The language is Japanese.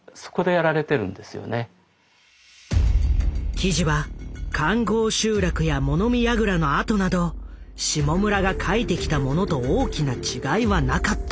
記事は環濠集落や物見やぐらの跡など下村が書いてきたものと大きな違いはなかった。